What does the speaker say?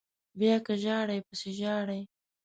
بیا که ژاړئ پسې ژاړئ